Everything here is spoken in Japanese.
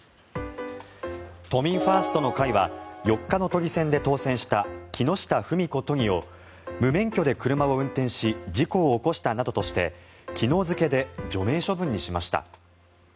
都民ファーストの会は４日の都議選で当選した木下富美子都議を無免許で車を運転し事故を起こしたなどとして昨日付で除名処分にしました。